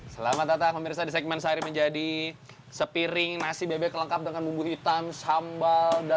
selamat datang pemirsa di segmen sehari menjadi sepiring nasi bebek lengkap dengan bumbu hitam sambal